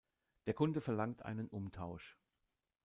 Der Kunde verlangt einen Umtausch.